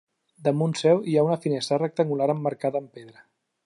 Damunt seu hi ha una finestra rectangular emmarcada en pedra.